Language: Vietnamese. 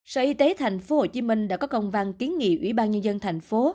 sở y tế tp hcm đã có công văn kiến nghị ủy ban nhân dân tp